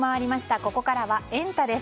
ここからはエンタ！です。